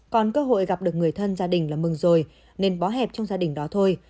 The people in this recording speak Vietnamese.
còn cơ hội gặp được người thân gia đình là mừng rồi nên bó hẹp trong gia đình đó thôi